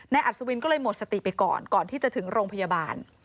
อัศวินก็เลยหมดสติไปก่อนก่อนที่จะถึงโรงพยาบาล